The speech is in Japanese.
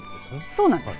そうなんです。